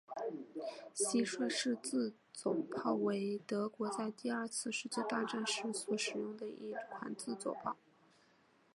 蟋蟀式自走炮为德国在第二次世界大战时所使用的一款自走炮。